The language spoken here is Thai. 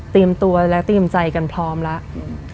ตัวและเตรียมใจกันพร้อมแล้ว